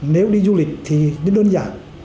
nếu đi du lịch thì đơn giản